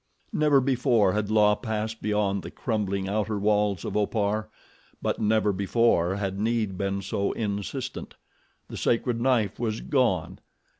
Never before had La passed beyond the crumbling outer walls of Opar; but never before had need been so insistent. The sacred knife was gone!